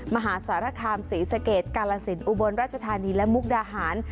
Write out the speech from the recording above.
มหาสารคามศรีสะเกดกาลสินอุบลราชธานีและมุกดาหาร